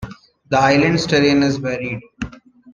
The island's terrain is varied.